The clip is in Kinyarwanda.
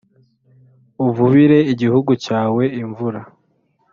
uvubire igihugu cyawe imvura